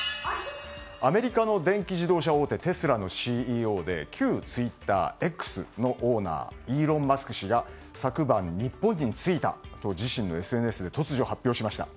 アメリカの電気自動車大手テスラのＣＥＯで旧ツイッター「Ｘ」のオーナーイーロン・マスク氏が昨晩、日本に着いたと自身のＳＮＳで突如発表しました。